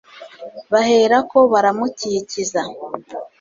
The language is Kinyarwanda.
bahera ko baramukikiza